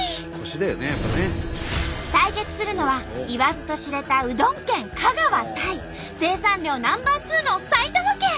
対決するのは言わずと知れたうどん県香川対生産量Ｎｏ．２の埼玉県。